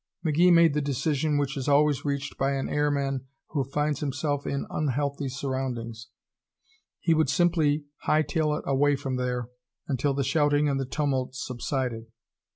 McGee made the decision which is always reached by an airman who finds himself in unhealthy surroundings: he would simply high tail it away from there until "the shouting and the tumult" subsided.